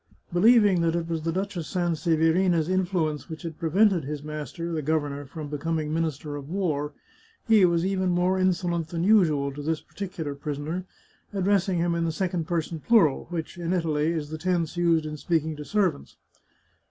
Believing that it was the Duchess Sanseverina's influence which had prevented his master, the governor, from becoming Minister of War, he was even more insolent than usual to this particular prisoner, addressing him in the second person plural, which, in Italy, is the tense used in speaking to servants.